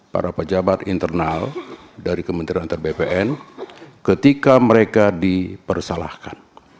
para pejabat internal dari kementerian antar bpn ketika mereka dipersalahkan